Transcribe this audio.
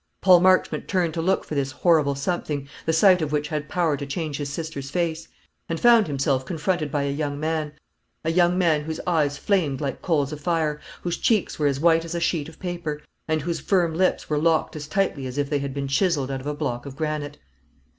Paul Marchmont turned to look for this horrible something the sight of which had power to change his sister's face; and found himself confronted by a young man, a young man whose eyes flamed like coals of fire, whose cheeks were as white as a sheet of paper, and whose firm lips were locked as tightly as if they had been chiseled out of a block of granite.